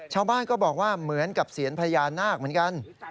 ชาวบ้านก็บอกว่าเหมือนกับเสียญพญานาคเหมือนกัน